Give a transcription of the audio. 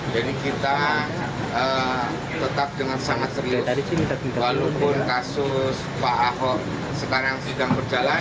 jadi kita tetap dengan sangat serius walaupun kasus pak ahok sekarang sedang berjalan